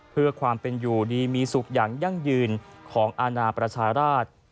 เพื่อความเป็นอยู่ดีมีสุขอย่างยั่งยืนของอาณาประชาราช